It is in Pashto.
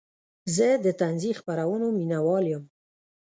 زه د طنزي خپرونو مینهوال یم.